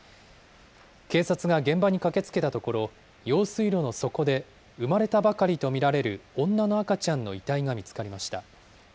警察が現場に駆けつけたところ、用水路の底で、生まれたばかりと見られる女の赤ちゃんの遺体が見つかりました。